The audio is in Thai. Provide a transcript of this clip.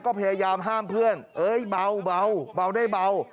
ก็พยายามห้ามเพื่อนเอ้ยเบาได้เบา